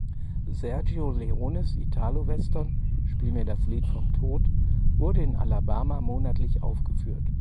Sergio Leones Italowestern Spiel mir das Lied vom Tod wurde im Alabama monatlich aufgeführt.